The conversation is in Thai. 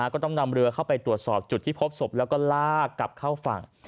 ก็ต้องนำเรือเข้าไปตรวจสอบจุดที่พบศพแล้วก็ลากกลับเข้าฝั่ง